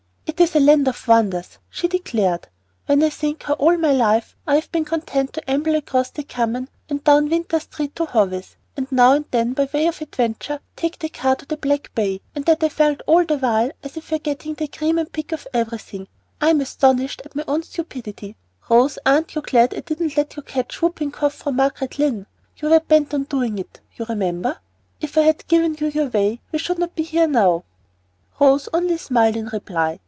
"It is a land of wonders," she declared. "When I think how all my life I have been content to amble across the Common, and down Winter Street to Hovey's, and now and then by way of adventure take the car to the Back Bay, and that I felt all the while as if I were getting the cream and pick of everything, I am astonished at my own stupidity. Rose, are you not glad I did not let you catch whooping cough from Margaret Lyon? you were bent on doing it, you remember. If I had given you your way we should not be here now." Rose only smiled in reply.